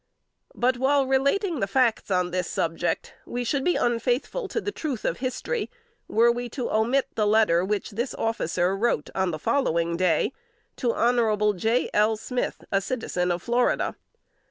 But while relating facts on this subject, we should be unfaithful to the truth of history were we to omit the letter which this officer wrote, on the following day, to Hon. J. L. Smith, a citizen of Florida.